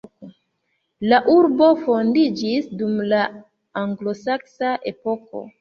La urbo fondiĝis dum la anglosaksa epoko.